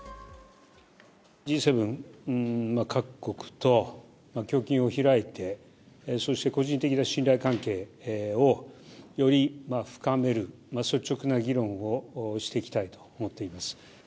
Ｇ７各国と胸襟を開いて、そして個人的な信頼関係をより深める、率直な議論をしていきたいと思っています。